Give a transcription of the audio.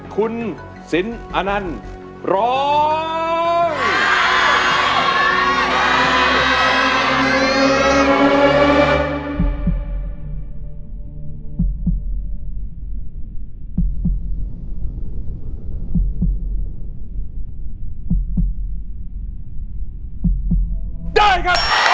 คุณสินอนันต์ร้อง